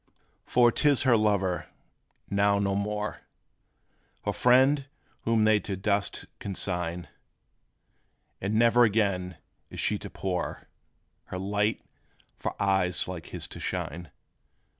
For 't is her lover, now no more Her friend, whom they to dust consign! And ne'er again is she to pour Her light, for eyes like his to shine.